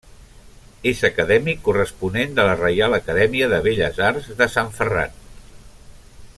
És acadèmic corresponent de la Reial Acadèmia de Belles Arts de Sant Ferran.